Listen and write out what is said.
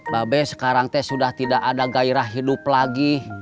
babe sekarang teh sudah tidak ada gairah hidup lagi